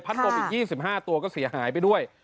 พัดโกบอีกยี่สิบห้าตัวก็เสียหายไปด้วย